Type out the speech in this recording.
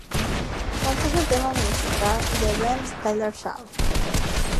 Compuso el tema musical de The Ben Stiller Show.